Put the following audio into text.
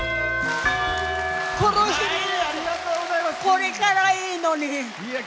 これからいいのに。